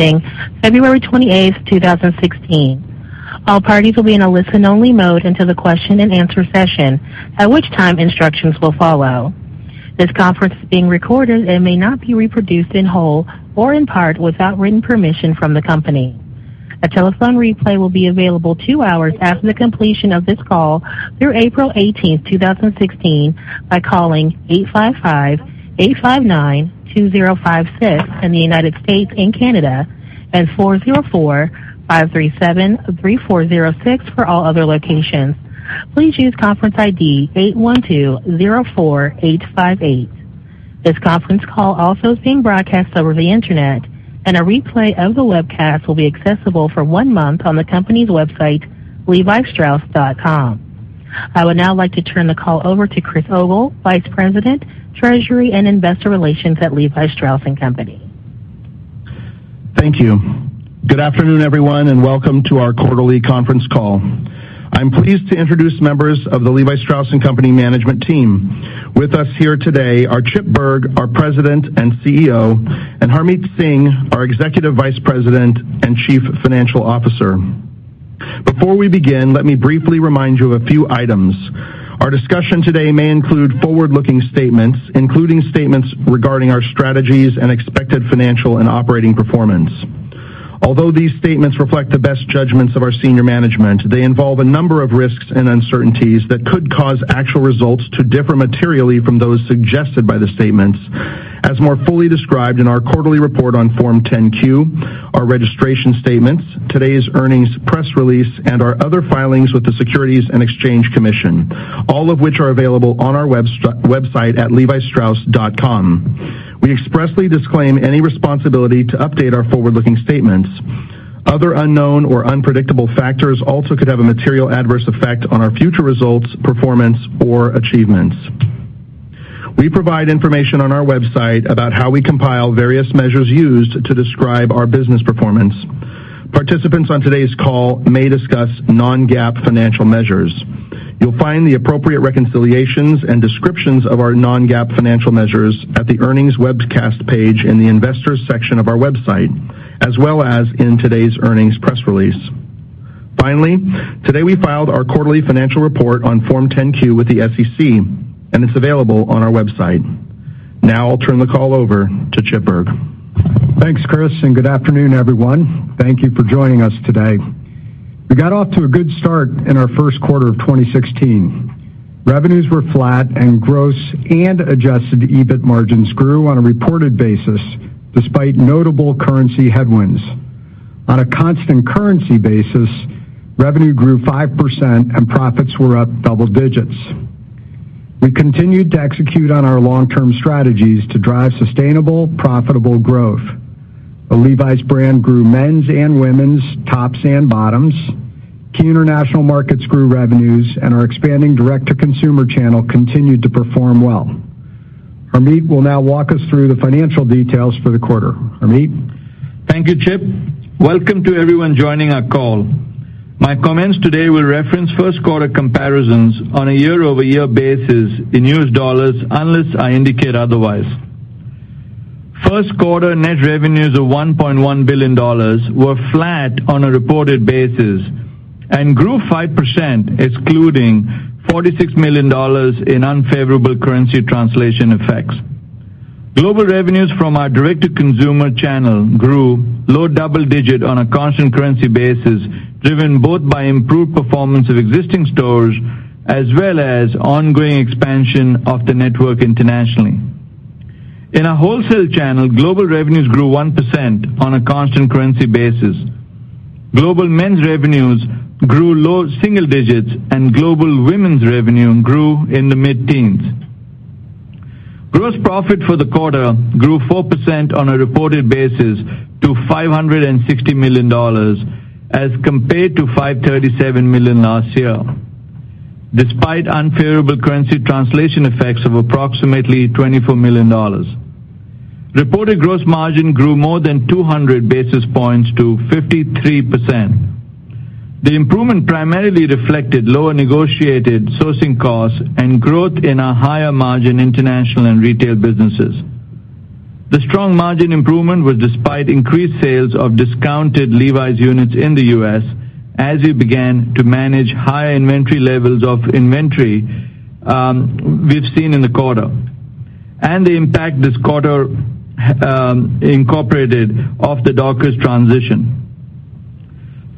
Ending February 28th, 2016. All parties will be in a listen-only mode until the question and answer session, at which time instructions will follow. This conference is being recorded and may not be reproduced in whole or in part without written permission from the company. A telephone replay will be available two hours after the completion of this call through April 18th, 2016, by calling 855-859-2056 in the U.S. and Canada, and 404-537-3406 for all other locations. Please use conference ID 81204858. This conference call also is being broadcast over the Internet, and a replay of the webcast will be accessible for one month on the company's website, levistrauss.com. I would now like to turn the call over to Chris Ogle, Vice President, Treasury and Investor Relations at Levi Strauss & Co. Thank you. Good afternoon, everyone, and welcome to our quarterly conference call. I'm pleased to introduce members of the Levi Strauss & Co. management team. With us here today are Chip Bergh, our President and CEO, and Harmit Singh, our Executive Vice President and Chief Financial Officer. Before we begin, let me briefly remind you of a few items. Our discussion today may include forward-looking statements, including statements regarding our strategies and expected financial and operating performance. Although these statements reflect the best judgments of our senior management, they involve a number of risks and uncertainties that could cause actual results to differ materially from those suggested by the statements, as more fully described in our quarterly report on Form 10-Q, our registration statements, today's earnings press release, and our other filings with the Securities and Exchange Commission, all of which are available on our website at levistrauss.com. We expressly disclaim any responsibility to update our forward-looking statements. Other unknown or unpredictable factors also could have a material adverse effect on our future results, performance, or achievements. We provide information on our website about how we compile various measures used to describe our business performance. Participants on today's call may discuss non-GAAP financial measures. You'll find the appropriate reconciliations and descriptions of our non-GAAP financial measures at the earnings webcast page in the investors section of our website, as well as in today's earnings press release. Finally, today we filed our quarterly financial report on Form 10-Q with the SEC, and it's available on our website. I'll turn the call over to Chip Bergh. Thanks, Chris. Good afternoon, everyone. Thank you for joining us today. We got off to a good start in our first quarter of 2016. Revenues were flat and gross and adjusted EBIT margins grew on a reported basis despite notable currency headwinds. On a constant currency basis, revenue grew 5% and profits were up double digits. We continued to execute on our long-term strategies to drive sustainable, profitable growth. The Levi's brand grew men's and women's tops and bottoms. Key international markets grew revenues, and our expanding direct-to-consumer channel continued to perform well. Harmit will now walk us through the financial details for the quarter. Harmit? Thank you, Chip. Welcome to everyone joining our call. My comments today will reference first quarter comparisons on a year-over-year basis in US dollars, unless I indicate otherwise. First quarter net revenues of $1.1 billion were flat on a reported basis and grew 5%, excluding $46 million in unfavorable currency translation effects. Global revenues from our direct-to-consumer channel grew low double digit on a constant currency basis, driven both by improved performance of existing stores as well as ongoing expansion of the network internationally. In our wholesale channel, global revenues grew 1% on a constant currency basis. Global men's revenues grew low single digits, and global women's revenue grew in the mid-teens. Gross profit for the quarter grew 4% on a reported basis to $560 million as compared to $537 million last year. Despite unfavorable currency translation effects of approximately $24 million. Reported gross margin grew more than 200 basis points to 53%. The improvement primarily reflected lower negotiated sourcing costs and growth in our higher margin international and retail businesses. The strong margin improvement was despite increased sales of discounted Levi's units in the U.S. as we began to manage high inventory levels of inventory we've seen in the quarter, and the impact this quarter incorporated of the Dockers transition.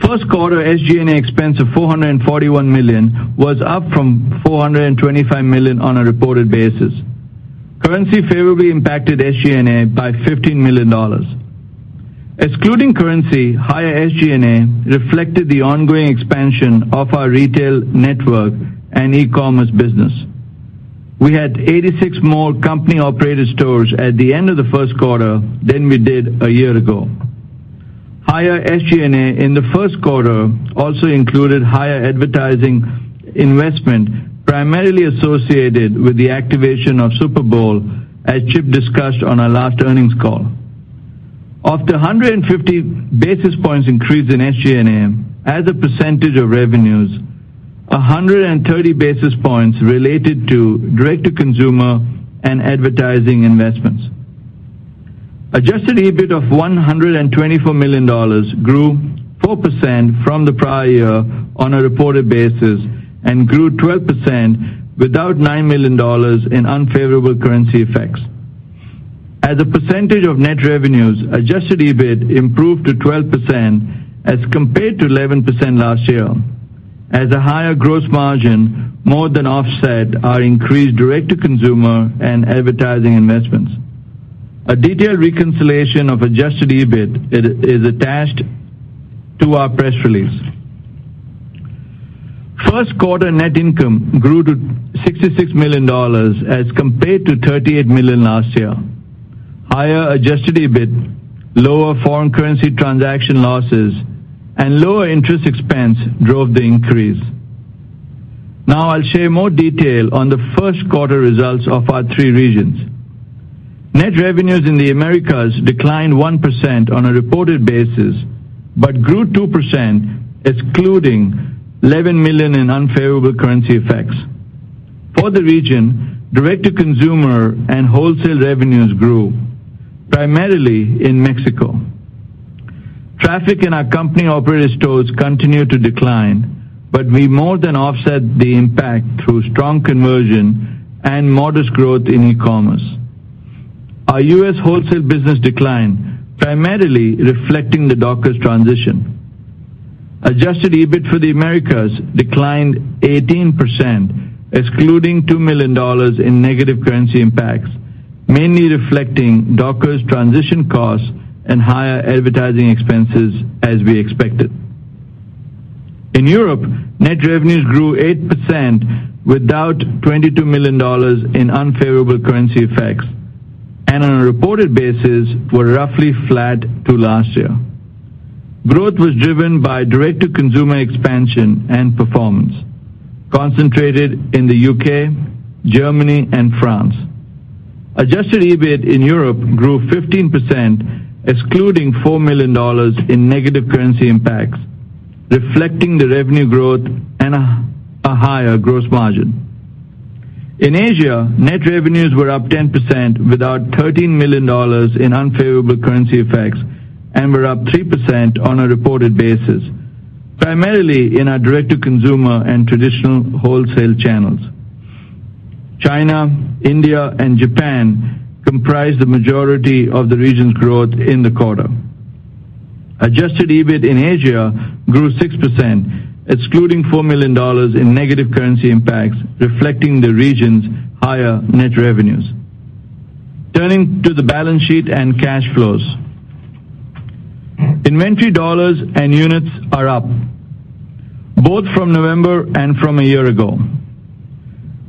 First quarter SG&A expense of $441 million was up from $425 million on a reported basis. Currency favorably impacted SG&A by $15 million. Excluding currency, higher SG&A reflected the ongoing expansion of our retail network and e-commerce business. We had 86 more company-operated stores at the end of the first quarter than we did a year ago. Higher SG&A in the first quarter also included higher advertising investment, primarily associated with the activation of Super Bowl, as Chip discussed on our last earnings call. Of the 150 basis points increase in SG&A as a percentage of revenues, 130 basis points related to direct-to-consumer and advertising investments. Adjusted EBIT of $124 million grew 4% from the prior year on a reported basis and grew 12% without $9 million in unfavorable currency effects. As a percentage of net revenues, adjusted EBIT improved to 12% as compared to 11% last year, as a higher gross margin more than offset our increased direct-to-consumer and advertising investments. A detailed reconciliation of adjusted EBIT is attached to our press release. First quarter net income grew to $66 million as compared to $38 million last year. Higher adjusted EBIT, lower foreign currency transaction losses, and lower interest expense drove the increase. I'll share more detail on the first quarter results of our three regions. Net revenues in the Americas declined 1% on a reported basis, but grew 2%, excluding $11 million in unfavorable currency effects. For the region, direct-to-consumer and wholesale revenues grew, primarily in Mexico. Traffic in our company-operated stores continued to decline, but we more than offset the impact through strong conversion and modest growth in e-commerce. Our U.S. wholesale business declined, primarily reflecting the Dockers transition. Adjusted EBIT for the Americas declined 18%, excluding $2 million in negative currency impacts, mainly reflecting Dockers transition costs and higher advertising expenses, as we expected. In Europe, net revenues grew 8% without $22 million in unfavorable currency effects, and on a reported basis were roughly flat to last year. Growth was driven by direct-to-consumer expansion and performance, concentrated in the U.K., Germany, and France. Adjusted EBIT in Europe grew 15%, excluding $4 million in negative currency impacts, reflecting the revenue growth and a higher gross margin. In Asia, net revenues were up 10% without $13 million in unfavorable currency effects and were up 3% on a reported basis, primarily in our direct-to-consumer and traditional wholesale channels. China, India, and Japan comprise the majority of the region's growth in the quarter. Adjusted EBIT in Asia grew 6%, excluding $4 million in negative currency impacts, reflecting the region's higher net revenues. Turning to the balance sheet and cash flows. Inventory dollars and units are up, both from November and from a year ago.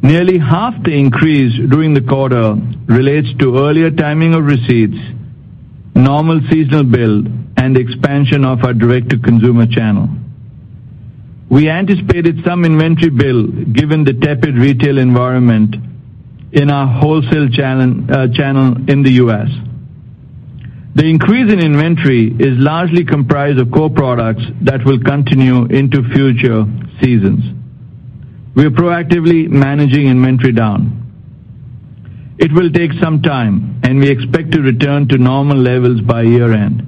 Nearly half the increase during the quarter relates to earlier timing of receipts, normal seasonal build, and expansion of our direct-to-consumer channel. We anticipated some inventory build given the tepid retail environment in our wholesale channel in the U.S. The increase in inventory is largely comprised of core products that will continue into future seasons. We are proactively managing inventory down. It will take some time, and we expect to return to normal levels by year-end.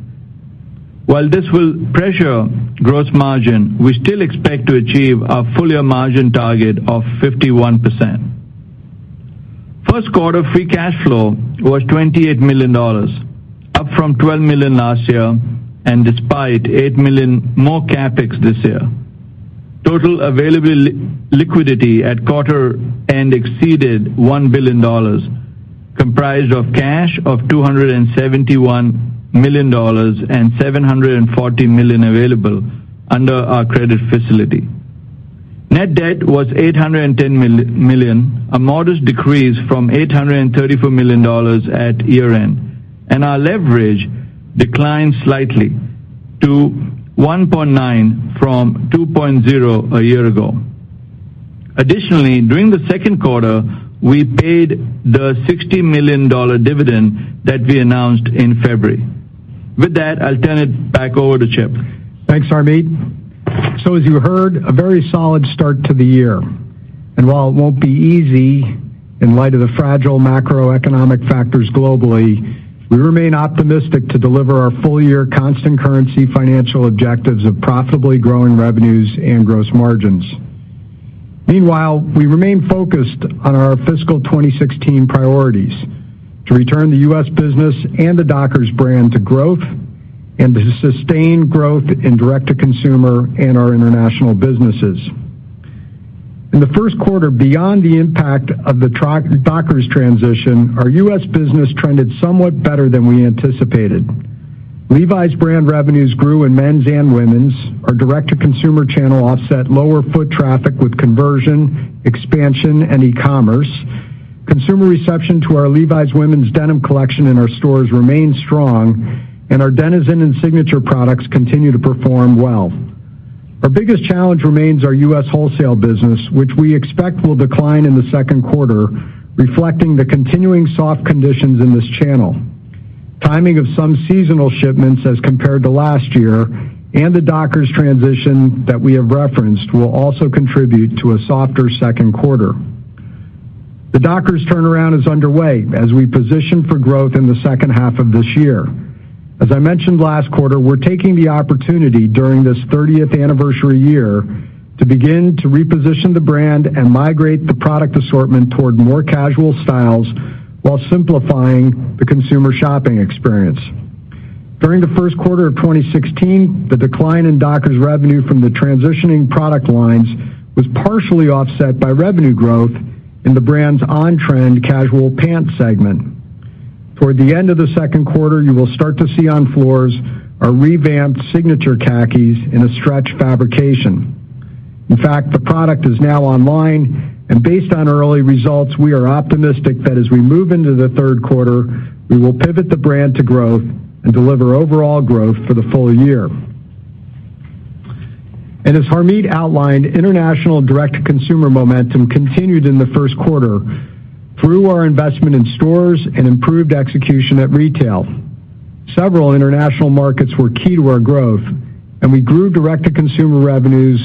While this will pressure gross margin, we still expect to achieve our full-year margin target of 51%. First quarter free cash flow was $28 million, up from $12 million last year and despite $8 million more CapEx this year. Total available liquidity at quarter end exceeded $1 billion, comprised of cash of $271 million and $740 million available under our credit facility. Net debt was $810 million, a modest decrease from $834 million at year-end, and our leverage declined slightly to 1.9 from 2.0 a year ago. Additionally, during the second quarter, we paid the $60 million dividend that we announced in February. With that, I'll turn it back over to Chip. Thanks, Harmit. As you heard, a very solid start to the year. While it won't be easy in light of the fragile macroeconomic factors globally, we remain optimistic to deliver our full-year constant currency financial objectives of profitably growing revenues and gross margins. Meanwhile, we remain focused on our fiscal 2016 priorities to return the U.S. business and the Dockers brand to growth and to sustain growth in direct-to-consumer and our international businesses. In the first quarter, beyond the impact of the Dockers transition, our U.S. business trended somewhat better than we anticipated. Levi's brand revenues grew in men's and women's. Our direct-to-consumer channel offset lower foot traffic with conversion, expansion, and e-commerce. Consumer reception to our Levi's women's denim collection in our stores remains strong, and our Denizen and Signature products continue to perform well. Our biggest challenge remains our U.S. wholesale business, which we expect will decline in the second quarter, reflecting the continuing soft conditions in this channel. Timing of some seasonal shipments as compared to last year, and the Dockers transition that we have referenced will also contribute to a softer second quarter. The Dockers turnaround is underway as we position for growth in the second half of this year. As I mentioned last quarter, we're taking the opportunity during this 30th anniversary year to begin to reposition the brand and migrate the product assortment toward more casual styles while simplifying the consumer shopping experience. During the first quarter of 2016, the decline in Dockers revenue from the transitioning product lines was partially offset by revenue growth in the brand's on-trend casual pants segment. Toward the end of the second quarter, you will start to see on floors our revamped Signature khakis in a stretch fabrication. In fact, the product is now online, and based on early results, we are optimistic that as we move into the third quarter, we will pivot the brand to growth and deliver overall growth for the full year. As Harmit outlined, international direct-to-consumer momentum continued in the first quarter through our investment in stores and improved execution at retail. Several international markets were key to our growth, and we grew direct-to-consumer revenues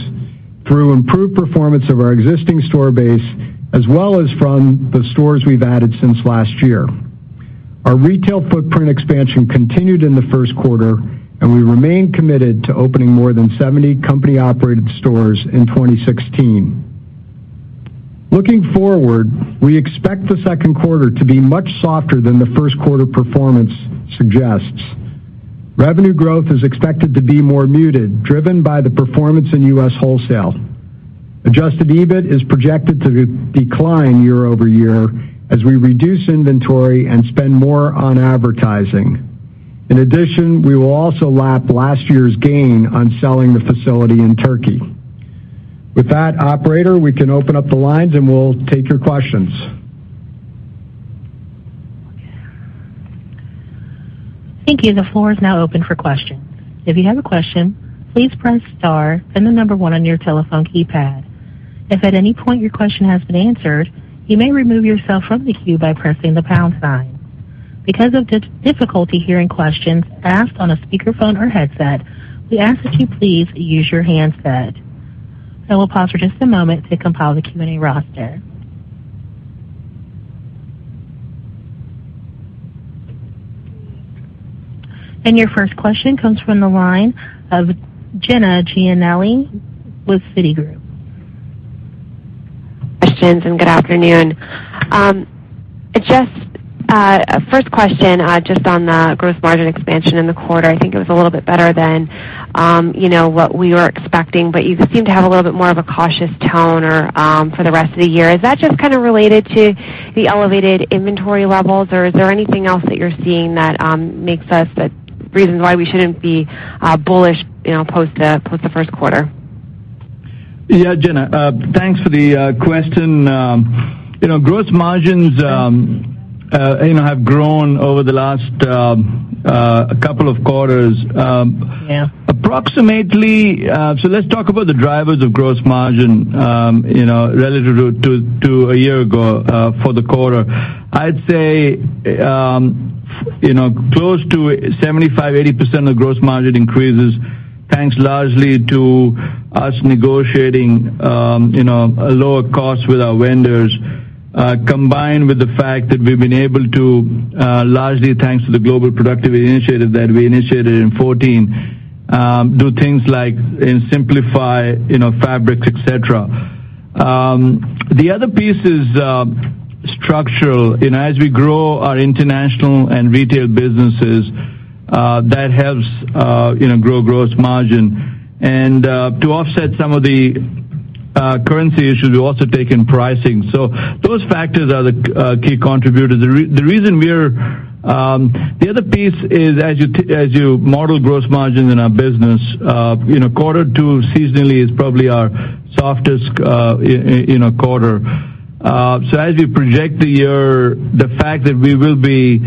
through improved performance of our existing store base, as well as from the stores we've added since last year. Our retail footprint expansion continued in the first quarter, and we remain committed to opening more than 70 company-operated stores in 2016. Looking forward, we expect the second quarter to be much softer than the first quarter performance suggests. Revenue growth is expected to be more muted, driven by the performance in U.S. wholesale. Adjusted EBIT is projected to decline year-over-year as we reduce inventory and spend more on advertising. In addition, we will also lap last year's gain on selling the facility in Turkey. With that, operator, we can open up the lines, and we'll take your questions. Thank you. The floor is now open for questions. If you have a question, please press star, then number 1 on your telephone keypad. If at any point your question has been answered, you may remove yourself from the queue by pressing the pound sign. Because of difficulty hearing questions asked on a speakerphone or headset, we ask that you please use your handset. I will pause for just a moment to compile the Q&A roster. Your first question comes from the line of Jenna Giannelli with Citigroup. Questions, good afternoon. First question, just on the gross margin expansion in the quarter. I think it was a little bit better than what we were expecting, but you seem to have a little bit more of a cautious tone for the rest of the year. Is that just kind of related to the elevated inventory levels, or is there anything else that you're seeing that the reasons why we shouldn't be bullish post the first quarter? Yeah, Jenna. Thanks for the question. Gross margins have grown over the last couple of quarters. Yeah. Let's talk about the drivers of gross margin relative to a year ago for the quarter. I'd say close to 75%-80% of gross margin increases, thanks largely to us negotiating a lower cost with our vendors, combined with the fact that we've been able to, largely thanks to the global productivity initiative that we initiated in 2014, do things like simplify fabrics, et cetera. The other piece is structural. As we grow our international and retail businesses, that helps grow gross margin. To offset some of the currency issues, we've also taken pricing. Those factors are the key contributors. The other piece is as you model gross margin in our business, quarter two seasonally is probably our softest quarter. As we project the year, the fact that we will be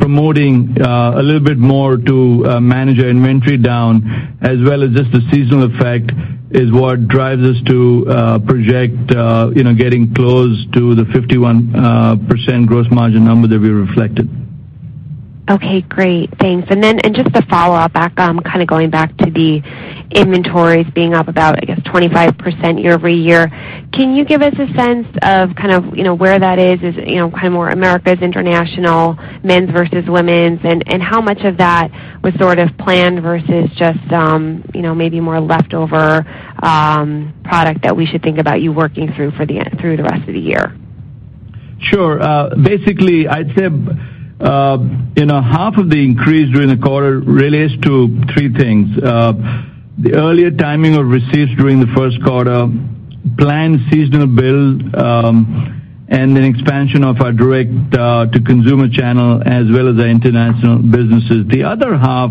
promoting a little bit more to manage our inventory down as well as just the seasonal effect is what drives us to project getting close to the 51% gross margin number that we reflected. Okay, great. Thanks. Just a follow-up back, kind of going back to the inventories being up about, I guess, 25% year-over-year. Can you give us a sense of kind of where that is? Is it kind of more Americas, international, men's versus women's? How much of that was sort of planned versus just maybe more leftover product that we should think about you working through the rest of the year? Sure. Basically, I'd say half of the increase during the quarter relates to three things. The earlier timing of receipts during the first quarter, planned seasonal build. An expansion of our direct-to-consumer channel as well as our international businesses. The other half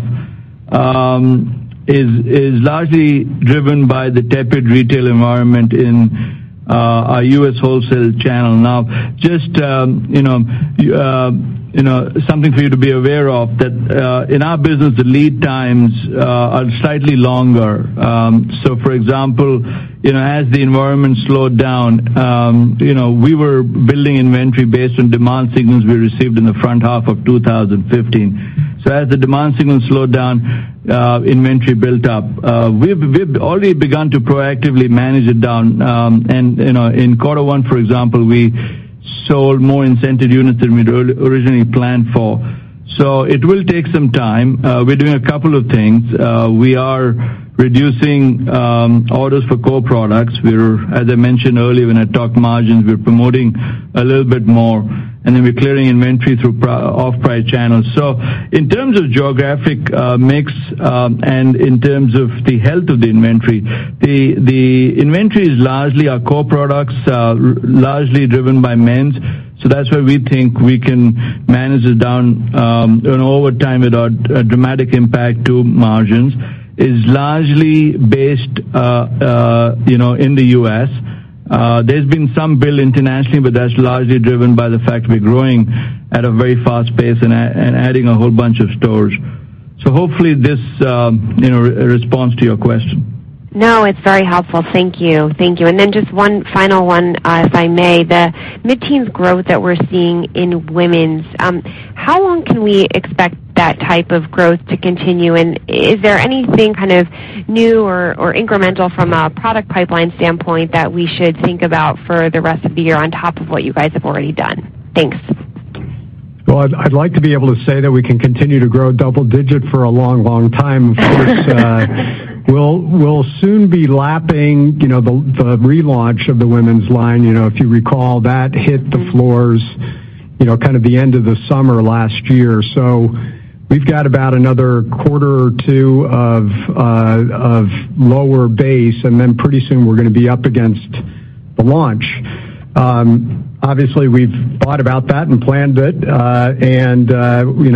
is largely driven by the tepid retail environment in our U.S. wholesale channel. Just something for you to be aware of, that in our business, the lead times are slightly longer. For example, as the environment slowed down, we were building inventory based on demand signals we received in the front half of 2015. As the demand signals slowed down, inventory built up. We've already begun to proactively manage it down. In quarter one, for example, we sold more incentive units than we'd originally planned for. It will take some time. We're doing a couple of things. We are reducing orders for core products. We're, as I mentioned earlier when I talked margins, we're promoting a little bit more. We're clearing inventory through off-price channels. In terms of geographic mix, and in terms of the health of the inventory, the inventory is largely our core products, largely driven by men's. That's where we think we can manage it down over time without a dramatic impact to margins. Is largely based in the U.S. There's been some build internationally, but that's largely driven by the fact we're growing at a very fast pace and adding a whole bunch of stores. Hopefully this responds to your question. No, it's very helpful. Thank you. Just one final one, if I may. The mid-teens growth that we're seeing in women's, how long can we expect that type of growth to continue? Is there anything kind of new or incremental from a product pipeline standpoint that we should think about for the rest of the year on top of what you guys have already done? Thanks. Well, I'd like to be able to say that we can continue to grow double-digit for a long, long time. Of course, we'll soon be lapping the relaunch of the women's line. If you recall, that hit the floors kind of the end of the summer last year. We've got about another quarter or two of lower base, then pretty soon we're going to be up against the launch. Obviously, we've thought about that and planned it.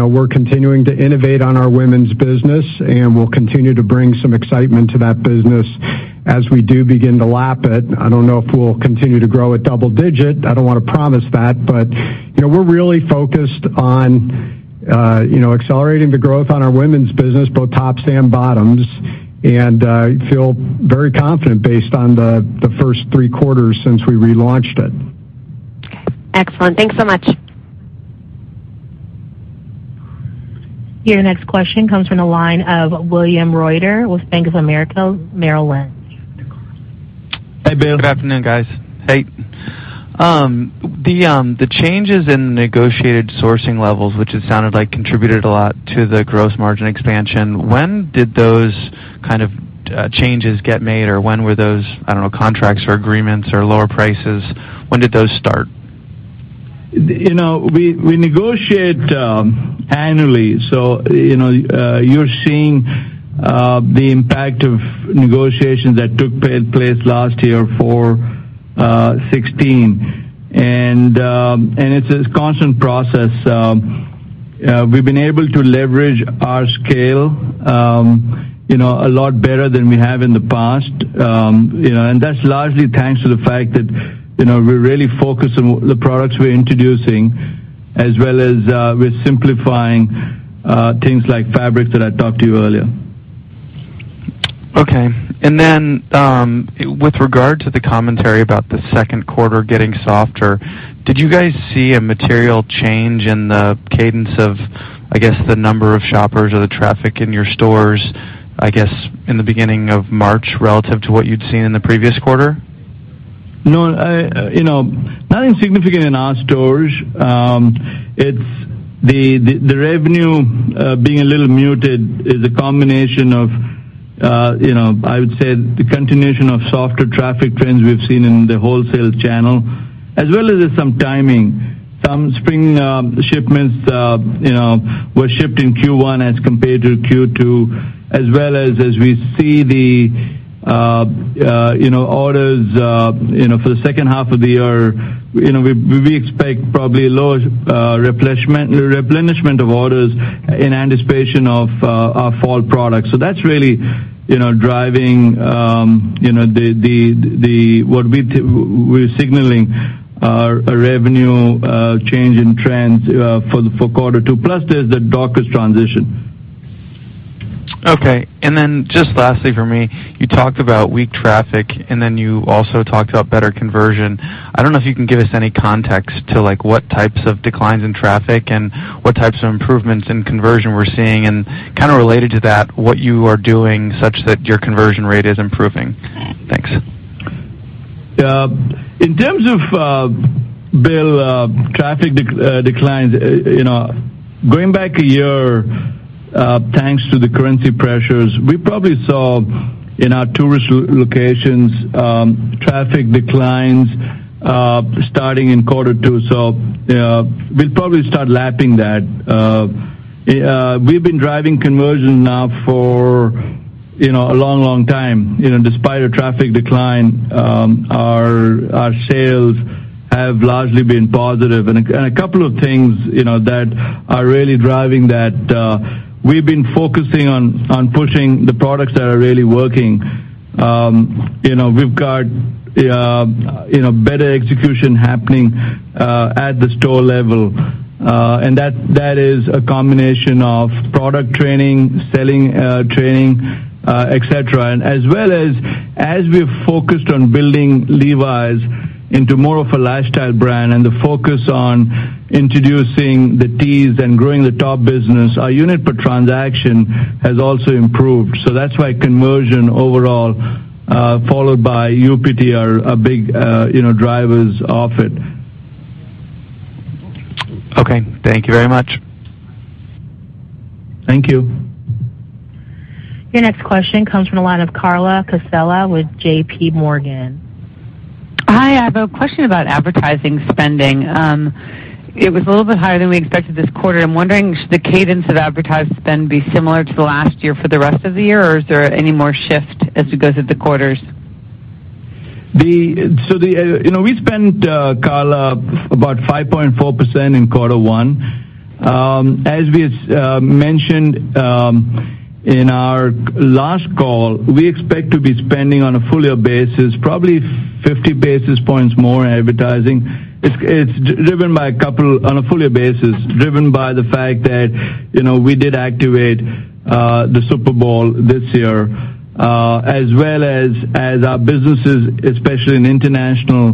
We're continuing to innovate on our women's business, and we'll continue to bring some excitement to that business as we do begin to lap it. I don't know if we'll continue to grow at double-digit. I don't want to promise that. We're really focused on accelerating the growth on our women's business, both tops and bottoms, and feel very confident based on the first three quarters since we relaunched it. Okay. Excellent. Thanks so much. Your next question comes from the line of William Reuter with Bank of America Merrill Lynch. Hey, Bill. Good afternoon, guys. Hey. The changes in negotiated sourcing levels, which it sounded like contributed a lot to the gross margin expansion, when did those kind of changes get made, or when were those, I don't know, contracts or agreements or lower prices, when did those start? We negotiate annually. You're seeing the impact of negotiations that took place last year for 2016. It's a constant process. We've been able to leverage our scale a lot better than we have in the past. That's largely thanks to the fact that we're really focused on the products we're introducing, as well as we're simplifying things like fabrics that I talked to you earlier. Okay. With regard to the commentary about the second quarter getting softer, did you guys see a material change in the cadence of, I guess, the number of shoppers or the traffic in your stores, I guess, in the beginning of March relative to what you'd seen in the previous quarter? No. Nothing significant in our stores. The revenue being a little muted is a combination of, I would say, the continuation of softer traffic trends we've seen in the wholesale channel, as well as some timing. Some spring shipments were shipped in Q1 as compared to Q2, as well as we see the orders for the second half of the year, we expect probably a lower replenishment of orders in anticipation of our fall products. That's really driving what we're signaling our revenue change in trends for quarter two. Plus, there's the Dockers transition. Okay. Just lastly from me, you talked about weak traffic, and then you also talked about better conversion. I don't know if you can give us any context to what types of declines in traffic and what types of improvements in conversion we're seeing. Kind of related to that, what you are doing such that your conversion rate is improving. Thanks. In terms of, Bill, traffic declines, going back a year, thanks to the currency pressures, we probably saw in our tourist locations traffic declines starting in quarter two, we'll probably start lapping that. We've been driving conversion now for a long, long time. Despite a traffic decline, our sales have largely been positive. A couple of things that are really driving that. We've been focusing on pushing the products that are really working. We've got better execution happening at the store level. That is a combination of product training, selling training, et cetera. As well as we've focused on building Levi's into more of a lifestyle brand and the focus on introducing the tees and growing the top business, our unit per transaction has also improved. That's why conversion overall, followed by UPT, are big drivers of it. Okay. Thank you very much. Thank you. Your next question comes from the line of Carla Casella with JPMorgan. Hi. I have a question about advertising spending. It was a little bit higher than we expected this quarter. I'm wondering, should the cadence of advertising spend be similar to last year for the rest of the year or is there any more shift as it goes with the quarters? We spent, Carla, about 5.4% in quarter one. As we mentioned in our last call, we expect to be spending on a full year basis, probably 50 basis points more in advertising. On a full year basis, it's driven by the fact that we did activate the Super Bowl this year, as well as our businesses, especially in international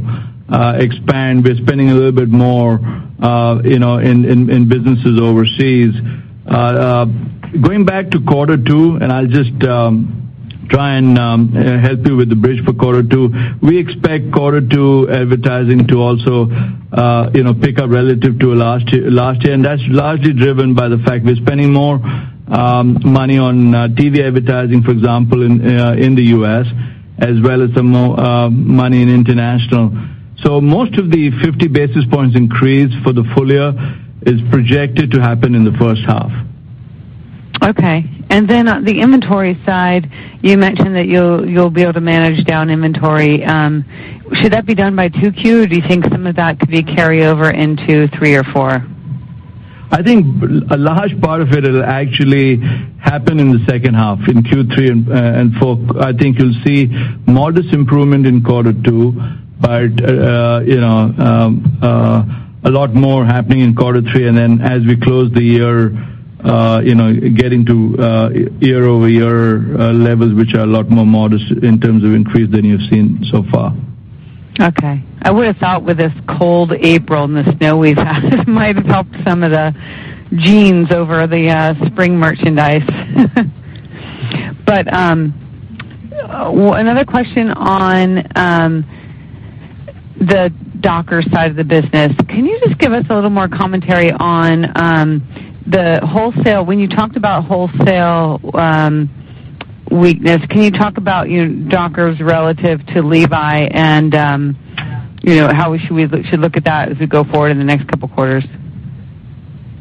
expand. We're spending a little bit more in businesses overseas. Going back to quarter two, I'll just try and help you with the bridge for quarter two. We expect quarter two advertising to also pick up relative to last year. That's largely driven by the fact we're spending more money on TV advertising, for example, in the U.S., as well as more money in international. Most of the 50 basis points increase for the full year is projected to happen in the first half. Okay. On the inventory side, you mentioned that you'll be able to manage down inventory. Should that be done by 2Q, or do you think some of that could be carryover into three or four? I think a large part of it will actually happen in the second half, in Q3 and four. I think you'll see modest improvement in quarter two, but a lot more happening in quarter three. As we close the year, getting to year-over-year levels, which are a lot more modest in terms of increase than you've seen so far. Okay. I would've thought with this cold April and the snow we've had, it might have helped some of the jeans over the spring merchandise. Another question on the Dockers side of the business. Can you just give us a little more commentary on the wholesale? When you talked about wholesale weakness, can you talk about Dockers relative to Levi's? How should we look at that as we go forward in the next couple of quarters?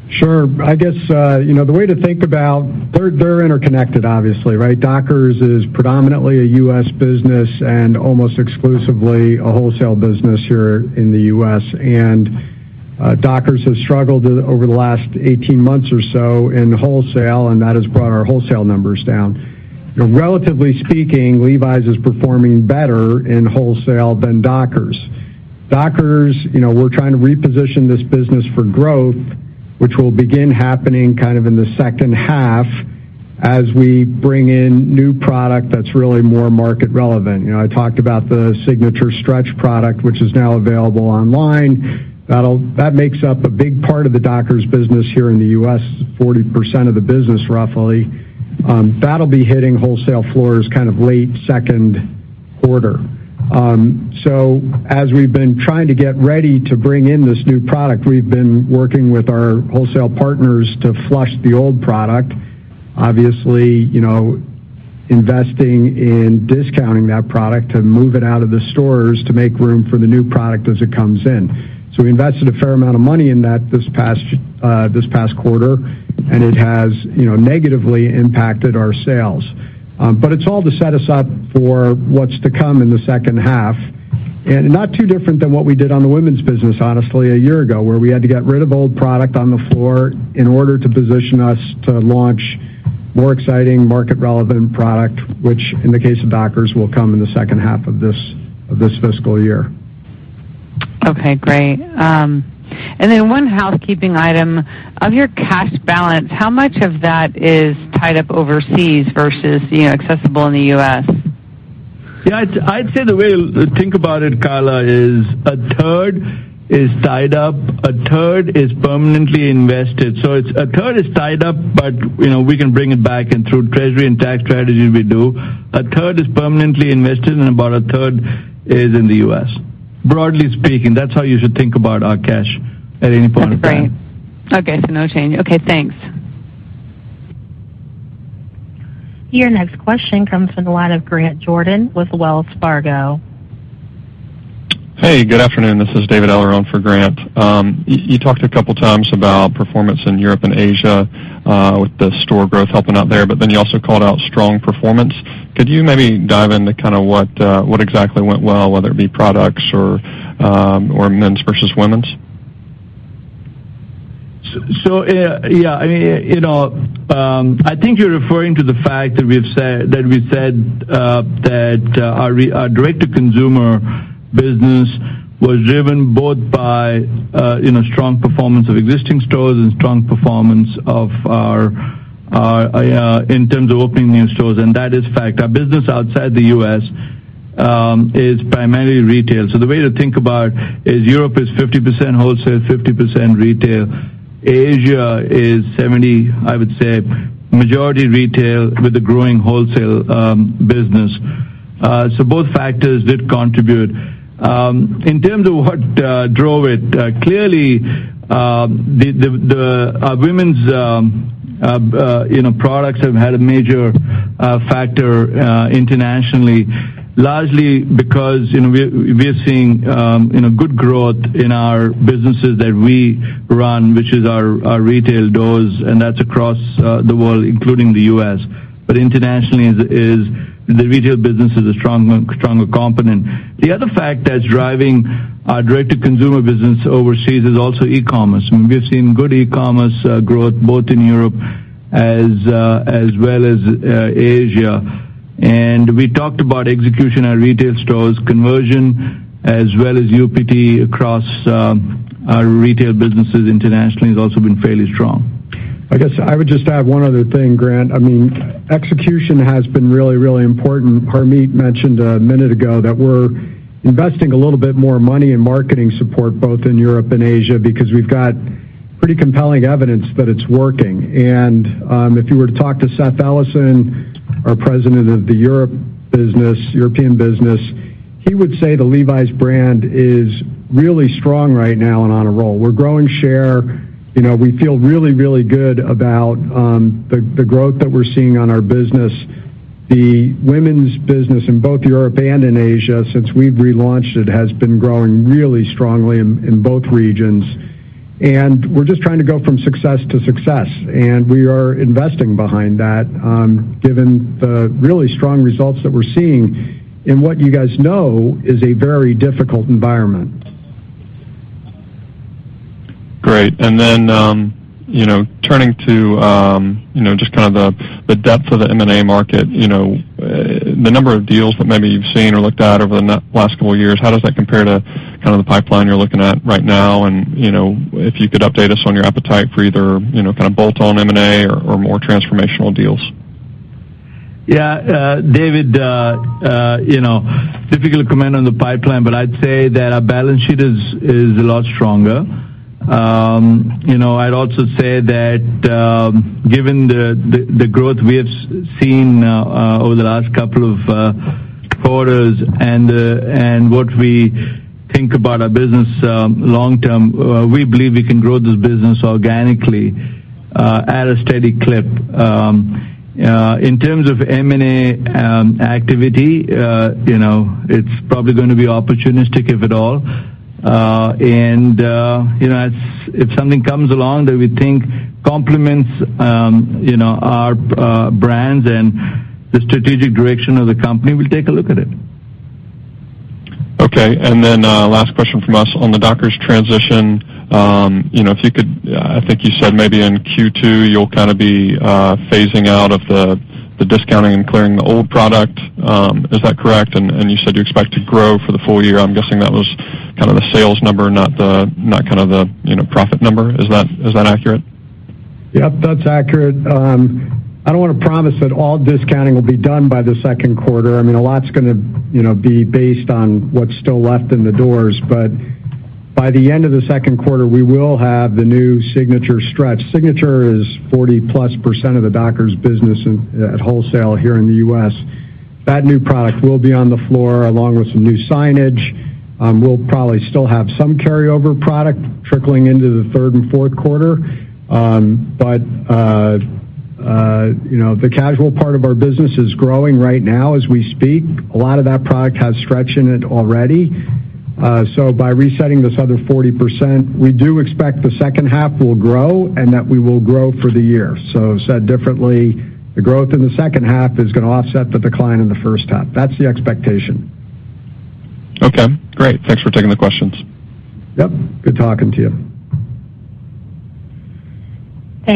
Sure. I guess, the way to think about, they're interconnected, obviously, right? Dockers is predominantly a U.S. business and almost exclusively a wholesale business here in the U.S. Dockers has struggled over the last 18 months or so in wholesale, and that has brought our wholesale numbers down. Relatively speaking, Levi's is performing better in wholesale than Dockers. Dockers, we're trying to reposition this business for growth, which will begin happening kind of in the second half as we bring in new product that's really more market relevant. I talked about the Signature stretch product, which is now available online. That makes up a big part of the Dockers business here in the U.S., 40% of the business roughly. That'll be hitting wholesale floors kind of late second quarter. As we've been trying to get ready to bring in this new product, we've been working with our wholesale partners to flush the old product. Obviously, investing in discounting that product to move it out of the stores to make room for the new product as it comes in. We invested a fair amount of money in that this past quarter, and it has negatively impacted our sales. It's all to set us up for what's to come in the second half. Not too different than what we did on the women's business, honestly, a year ago, where we had to get rid of old product on the floor in order to position us to launch more exciting market relevant product, which in the case of Dockers, will come in the second half of this fiscal year. Okay, great. Then one housekeeping item. On your cash balance, how much of that is tied up overseas versus accessible in the U.S.? Yeah. I'd say the way to think about it, Carla, is a third is tied up, a third is permanently invested. It's a third is tied up, but we can bring it back in through treasury and tax strategy, we do. A third is permanently invested, and about a third is in the U.S. Broadly speaking, that's how you should think about our cash at any point in time. That's great. Okay, no change. Okay, thanks. Your next question comes from the line of Grant Jordan with Wells Fargo. Hey, good afternoon. This is David Aller on for Grant. You talked a couple of times about performance in Europe and Asia, with the store growth helping out there, but then you also called out strong performance. Could you maybe dive into what exactly went well, whether it be products or men's versus women's? Yeah. I think you're referring to the fact that we've said that our direct-to-consumer business was driven both by strong performance of existing stores and strong performance in terms of opening new stores, and that is fact. Our business outside the U.S. is primarily retail. The way to think about is Europe is 50% wholesale, 50% retail. Asia is 70%, I would say, majority retail with a growing wholesale business. Both factors did contribute. In terms of what drove it, clearly, our women's products have had a major factor internationally. Largely because we are seeing good growth in our businesses that we run, which is our retail doors, and that's across the world, including the U.S. Internationally, the retail business is a stronger component. The other fact that's driving our direct-to-consumer business overseas is also e-commerce. We've seen good e-commerce growth both in Europe as well as Asia. We talked about execution at retail stores. Conversion as well as UPT across our retail businesses internationally has also been fairly strong. I guess I would just add one other thing, Grant. Execution has been really, really important. Harmit mentioned a minute ago that we're investing a little bit more money in marketing support, both in Europe and Asia, because we've got pretty compelling evidence that it's working. If you were to talk to Seth Ellison, our president of the European business, he would say the Levi's brand is really strong right now and on a roll. We're growing share. We feel really, really good about the growth that we're seeing on our business. The women's business in both Europe and in Asia, since we've relaunched it, has been growing really strongly in both regions. We're just trying to go from success to success. We are investing behind that, given the really strong results that we're seeing in what you guys know is a very difficult environment. Great. Then, turning to just kind of the depth of the M&A market. The number of deals that maybe you've seen or looked at over the last couple of years, how does that compare to the pipeline you're looking at right now? If you could update us on your appetite for either bolt-on M&A or more transformational deals. Yeah. David, difficult to comment on the pipeline, but I'd say that our balance sheet is a lot stronger. I'd also say that, given the growth we have seen over the last couple of quarters and what we think about our business long term, we believe we can grow this business organically at a steady clip. In terms of M&A activity, it's probably going to be opportunistic, if at all. If something comes along that we think complements our brands and the strategic direction of the company, we'll take a look at it. Okay. Last question from us. On the Dockers transition, I think you said maybe in Q2, you'll kind of be phasing out of the discounting and clearing the old product. Is that correct? You said you expect to grow for the full year. I'm guessing that was kind of the sales number, not the profit number. Is that accurate? Yep, that's accurate. I don't want to promise that all discounting will be done by the second quarter. A lot's going to be based on what's still left in the doors. By the end of the second quarter, we will have the new Signature stretch. Signature is 40+% of the Dockers business at wholesale here in the U.S. That new product will be on the floor along with some new signage. We'll probably still have some carryover product trickling into the third and fourth quarter. The casual part of our business is growing right now as we speak. A lot of that product has stretch in it already. By resetting this other 40%, we do expect the second half will grow and that we will grow for the year. Said differently, the growth in the second half is going to offset the decline in the first half. That's the expectation. Okay, great. Thanks for taking the questions. Yep, good talking to you.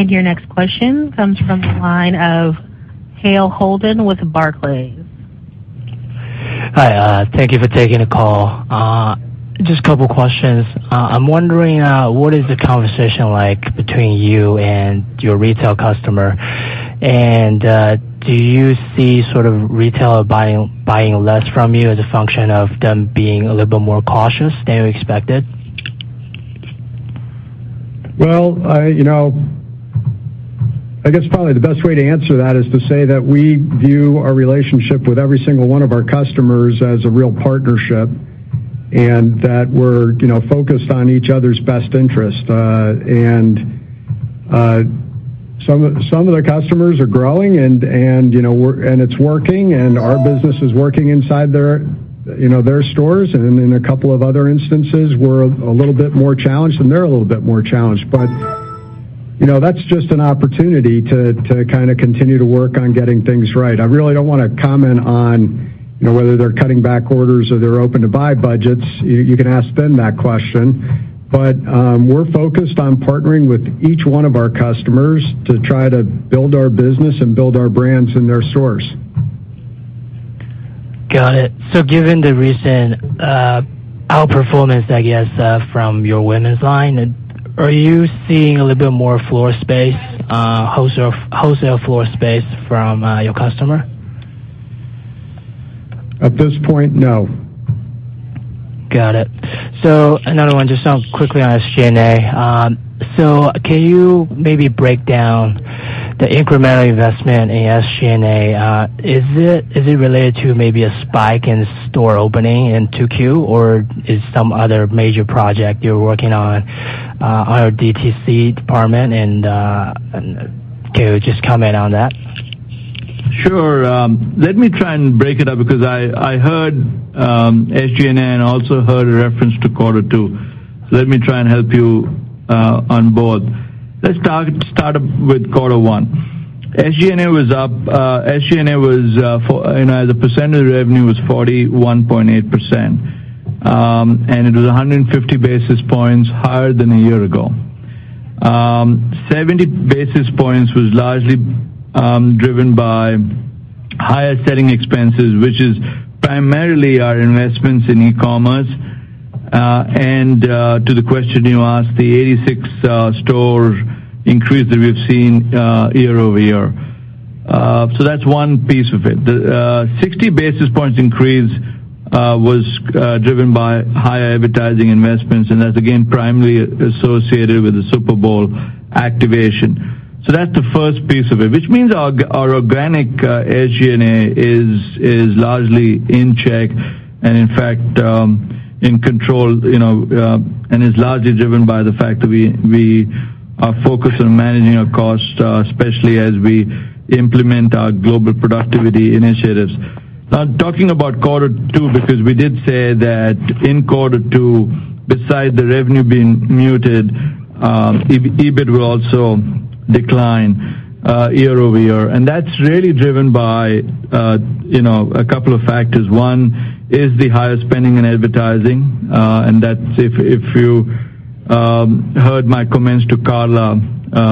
Your next question comes from the line of Hale Holden with Barclays. Hi, thank you for taking the call. Just a couple of questions. I'm wondering, what is the conversation like between you and your retail customer? Do you see sort of retail buying less from you as a function of them being a little bit more cautious than you expected? Well, I guess probably the best way to answer that is to say that we view our relationship with every single one of our customers as a real partnership, and that we're focused on each other's best interest. Some of their customers are growing and it's working, and our business is working inside their stores. In a couple of other instances, we're a little bit more challenged, and they're a little bit more challenged. That's just an opportunity to continue to work on getting things right. I really don't want to comment on whether they're cutting back orders or they're open to buy budgets. You can ask Ben that question. We're focused on partnering with each one of our customers to try to build our business and build our brands in their stores. Got it. Given the recent outperformance, I guess, from your women's line, are you seeing a little bit more floor space, wholesale floor space from your customer? At this point, no. Got it. Another one, just quickly on SG&A. Can you maybe break down the incremental investment in SG&A? Is it related to maybe a spike in store opening in 2Q, or is some other major project you're working on your DTC department, and can you just comment on that? Sure. Let me try and break it up because I heard SG&A, and I also heard a reference to quarter two. Let me try and help you on both. Let's start up with quarter one. SG&A as a percentage of revenue was 41.8%, and it was 150 basis points higher than a year ago. 70 basis points was largely driven by higher selling expenses, which is primarily our investments in e-commerce, and to the question you asked, the 86 store increase that we've seen year-over-year. That's one piece of it. The 60 basis points increase was driven by higher advertising investments, and that's again, primarily associated with the Super Bowl activation. That's the first piece of it, which means our organic SG&A is largely in check and in fact, in control, and is largely driven by the fact that we are focused on managing our cost, especially as we implement our Global Productivity Initiatives. Talking about quarter two, because we did say that in quarter two, besides the revenue being muted, EBIT will also decline year-over-year. That's really driven by a couple of factors. One is the higher spending in advertising, and if you heard my comments to Carla,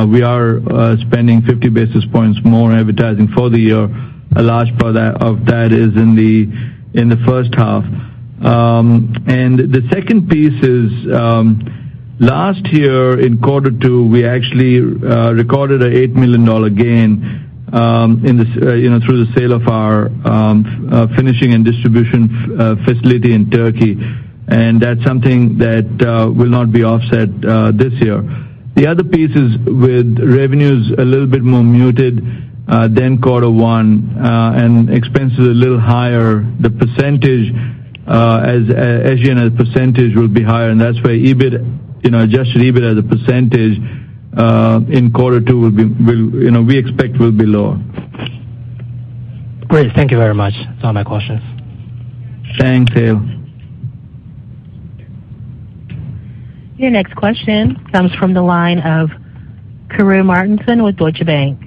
we are spending 50 basis points more in advertising for the year. A large part of that is in the first half. The second piece is, last year in quarter two, we actually recorded an $8 million gain through the sale of our finishing and distribution facility in Turkey. That's something that will not be offset this year. The other piece is with revenues a little bit more muted than quarter one, and expenses a little higher. The SG&A percentage will be higher, and that's why adjusted EBIT as a percentage in quarter two, we expect will be lower. Great. Thank you very much. That's all my questions. Thanks, Hale. Your next question comes from the line of Paul Trussell with Deutsche Bank.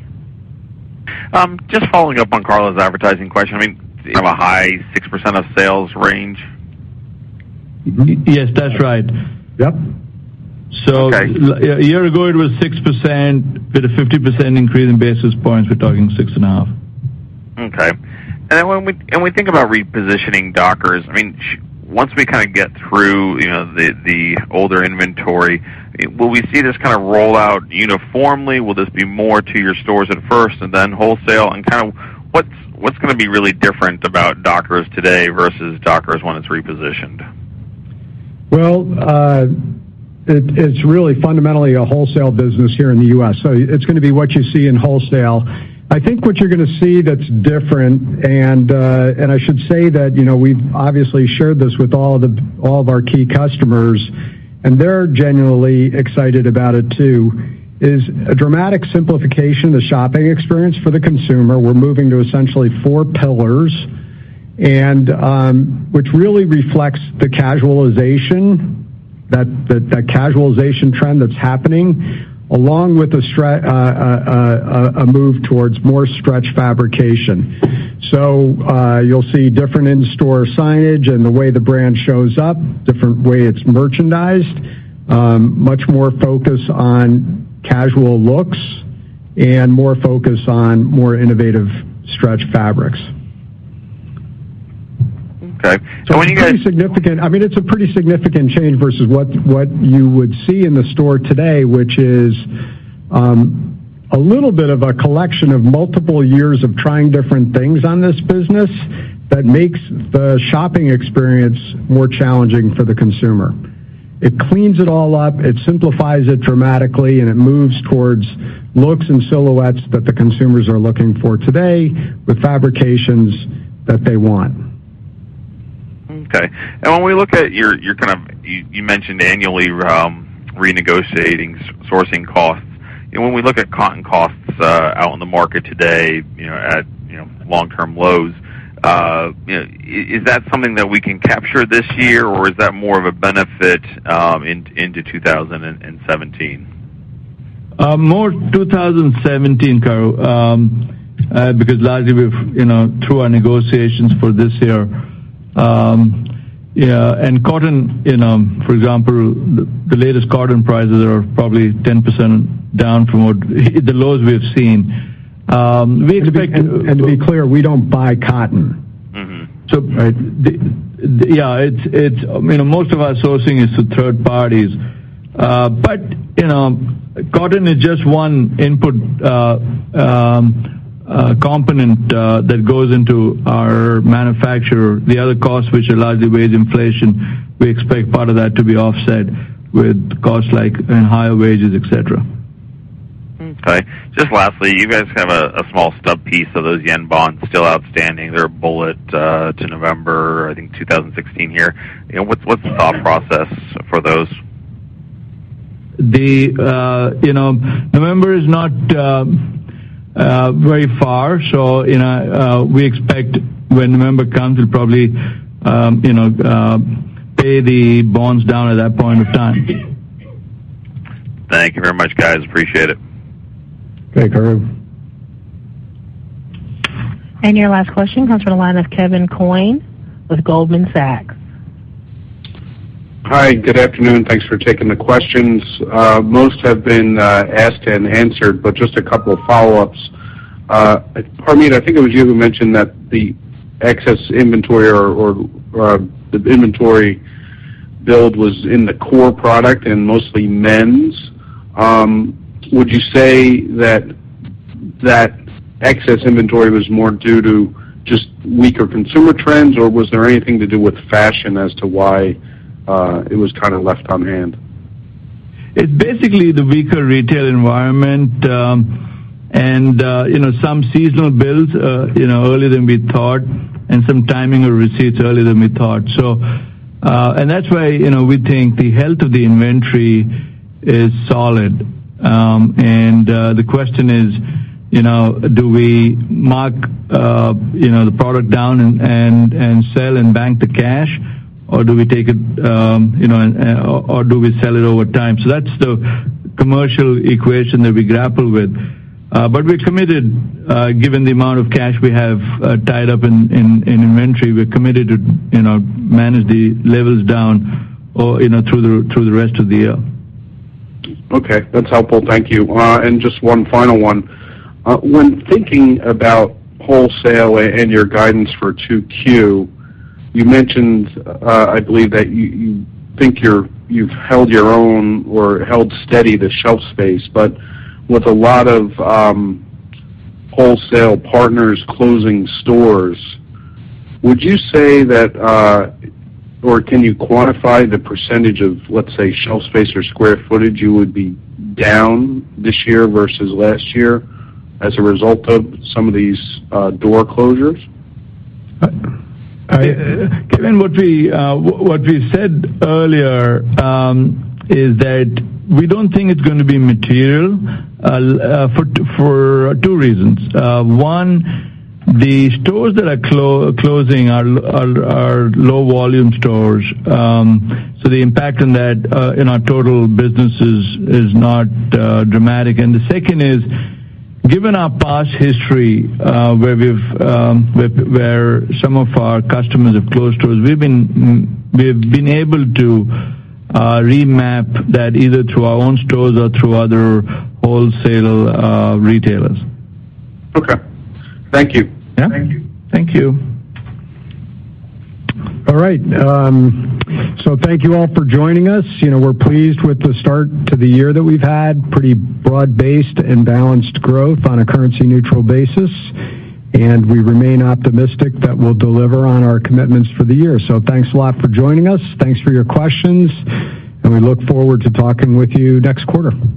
Just following up on Carla's advertising question. I mean, a high 6% of sales range? Yes, that's right. Yep. A year ago, it was 6%, with a 50% increase in basis points, we're talking six and a half. Okay. When we think about repositioning Dockers, once we get through the older inventory, will we see this roll out uniformly? Will this be more to your stores at first and then wholesale? What's going to be really different about Dockers today versus Dockers when it's repositioned? Well, it's really fundamentally a wholesale business here in the U.S. It's going to be what you see in wholesale. I think what you're going to see that's different, I should say that we've obviously shared this with all of our key customers, They're genuinely excited about it too, is a dramatic simplification of the shopping experience for the consumer. We're moving to essentially four pillars, which really reflects the casualization trend that's happening, along with a move towards more stretch fabrication. You'll see different in-store signage and the way the brand shows up, different way it's merchandised, much more focus on casual looks and more focus on more innovative stretch fabrics. Okay. When you guys- It's a pretty significant change versus what you would see in the store today, which is a little bit of a collection of multiple years of trying different things on this business that makes the shopping experience more challenging for the consumer. It cleans it all up, it simplifies it dramatically. It moves towards looks and silhouettes that the consumers are looking for today with fabrications that they want. Okay. When we look at your, you mentioned annually renegotiating sourcing costs. When we look at cotton costs out on the market today at long-term lows, is that something that we can capture this year or is that more of a benefit into 2017? More 2017, [Karu], because largely through our negotiations for this year. Cotton, for example, the latest cotton prices are probably 10% down from the lows we have seen. To be clear, we don't buy cotton. Yeah. Most of our sourcing is to third parties. Cotton is just one input component that goes into our manufacture. The other costs, which are largely wage inflation, we expect part of that to be offset with costs like higher wages, et cetera. Okay. Just lastly, you guys have a small stub piece of those yen bonds still outstanding. They're a bullet to November, I think, 2016 here. What's the thought process for those? November is not very far. We expect when November comes, we'll probably pay the bonds down at that point of time. Thank you very much, guys. Appreciate it. Okay, Karu. Your last question comes from the line of Kevin Coyne with Goldman Sachs. Hi, good afternoon. Thanks for taking the questions. Most have been asked and answered, but just a couple of follow-ups. Harmit, I think it was you who mentioned that the excess inventory or the inventory build was in the core product and mostly men's. Would you say that that excess inventory was more due to just weaker consumer trends, or was there anything to do with fashion as to why it was kind of left on hand? It's basically the weaker retail environment, some seasonal builds earlier than we thought, and some timing of receipts earlier than we thought. That's why we think the health of the inventory is solid. The question is, do we mark the product down and sell and bank the cash, or do we sell it over time? That's the commercial equation that we grapple with. We're committed, given the amount of cash we have tied up in inventory, we're committed to manage the levels down through the rest of the year. Okay. That's helpful. Thank you. Just one final one. When thinking about wholesale and your guidance for 2Q, you mentioned, I believe that you think you've held your own or held steady the shelf space. With a lot of wholesale partners closing stores, would you say that or can you quantify the % of, let's say, shelf space or square footage you would be down this year versus last year as a result of some of these door closures? Kevin, what we said earlier is that we don't think it's going to be material for two reasons. One, the stores that are closing are low volume stores. The impact on that in our total business is not dramatic. The second is, given our past history, where some of our customers have closed stores, we've been able to remap that either through our own stores or through other wholesale retailers. Okay. Thank you. Yeah. Thank you. All right. Thank you all for joining us. We're pleased with the start to the year that we've had. Pretty broad-based and balanced growth on a currency-neutral basis, we remain optimistic that we'll deliver on our commitments for the year. Thanks a lot for joining us. Thanks for your questions, we look forward to talking with you next quarter.